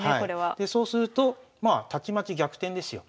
でそうするとまあたちまち逆転ですよ。